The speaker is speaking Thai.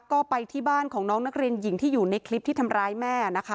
ก็ไปที่บ้านของน้องนักเรียนหญิงที่อยู่ในคลิปที่ทำร้ายแม่นะคะ